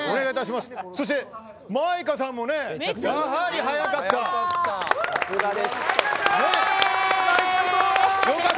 そして、舞香さんもねやはり速かった。